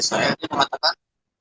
saya ini mematakan